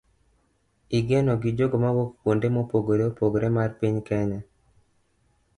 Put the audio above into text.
Igeno gi jogo mawuok kuonde mopogore opogore mar piny Kenya